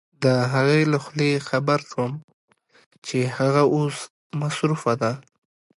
د هغې له خولې خبر شوم چې هغه اوس مصروفه ده.